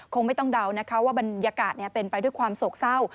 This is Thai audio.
คงไม่ต้องเดานะคะว่าบรรยากาศเป็นไปด้วยความโศกเศร้า